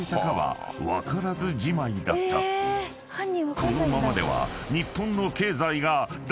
［このままでは］